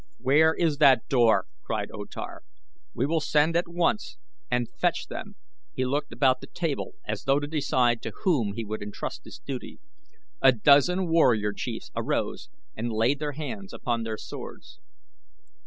"Where is that door?" cried O Tar. "We will send at once and fetch them," he looked about the table as though to decide to whom he would entrust this duty. A dozen warrior chiefs arose and laid their hands upon their swords.